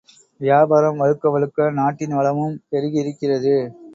வியாபாரம் வலுக்கவலுக்க நாட்டின் வளமும் பெருகியிருக்கிறது.